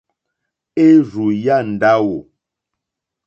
Érzù yá ndáwò.